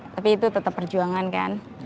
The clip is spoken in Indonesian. tapi itu tetap perjuangan kan